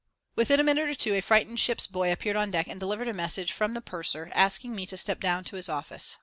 Within a minute or two a frightened ship's boy appeared on deck and delivered a message from the purser asking me to step down to his office.